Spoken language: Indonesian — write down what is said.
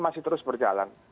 masih terus berjalan